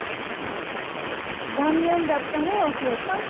残念だったねお寿恵さん。